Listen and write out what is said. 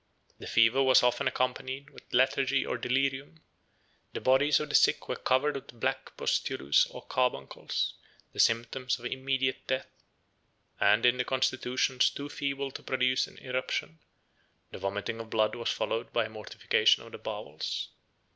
The fever was often accompanied with lethargy or delirium; the bodies of the sick were covered with black pustules or carbuncles, the symptoms of immediate death; and in the constitutions too feeble to produce an irruption, the vomiting of blood was followed by a mortification of the bowels.